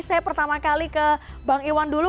saya pertama kali ke bang iwan dulu